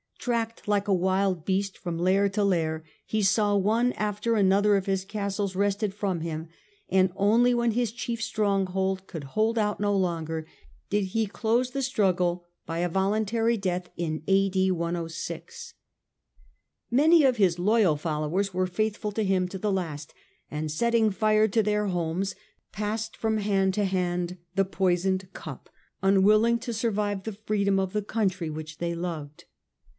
Tracked like a wild beast from lair to lair, he saw one after another of his castles wrested from him, and only when his chief stronghold could hold out no longer, did he close the struggle by a voluntary death. Many of his loyal followers were faithful to him to the last, and setting fire to their homes passed from hand to hand the poisoned cup, unwilling to survive the freedom of the country which they loved.